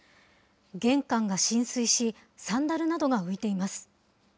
玄関が浸水し、サンダルなどが浮いています。